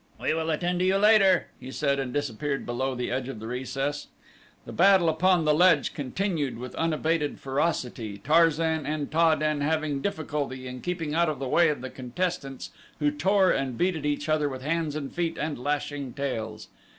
"We will attend to you later," he said and disappeared below the edge of the recess. The battle upon the ledge continued with unabated ferocity, Tarzan and Ta den having difficulty in keeping out of the way of the contestants who tore and beat at each other with hands and feet and lashing tails.